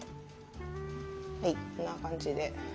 はいこんな感じで。